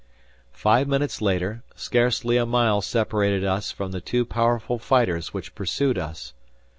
Five minutes later, scarcely a mile separated us from the two powerful fighters which pursued us.